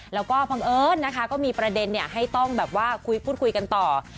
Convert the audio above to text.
แล้วก็บังเอิญนะคะก็มีประเด็นให้ต้องแบบว่าคุยกันต่อ